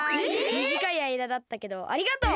みじかいあいだだったけどありがとう！